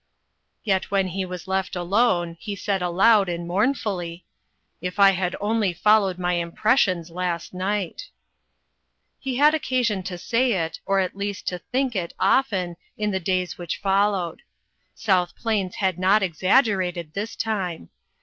Yet when he was left alone, he said aloud and mournfully :" If I had only followed my impressions last night !" He had occasion to say it, or, at least, to think it often, in the days which followed. South Plains had not exaggerated, this time.